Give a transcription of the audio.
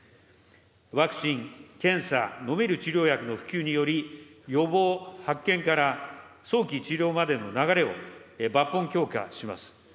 ワクチン、検査、飲める治療薬の普及により、予防、発見から早期治療までの流れを抜本強化します。